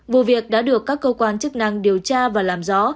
vụ việc đã được các cơ quan chức năng điều tra và làm rõ